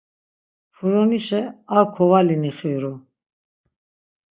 Furunişe ar kovali nixiru.